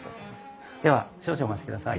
では少々お待ちください。